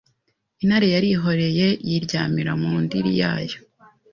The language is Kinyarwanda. Intare yarihoreye yiryamira mu ndiri yayo